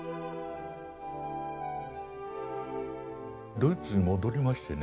ドイツに戻りましてね